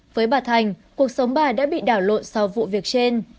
với bà thành cuộc sống bà đã bị đảo lộn sau vụ việc trên